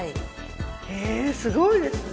えすごいですね。